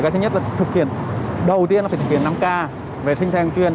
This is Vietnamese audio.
thứ nhất là thực hiện đầu tiên là thực hiện năm k vệ sinh thang truyền